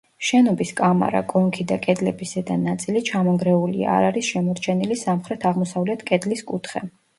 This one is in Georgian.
შენობის კამარა, კონქი და კედლების ზედა ნაწილი ჩამონგრეულია, არ არის შემორჩენილი სამხრეთ-აღმოსავლეთ კედლის კუთხე.